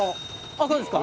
こうですか？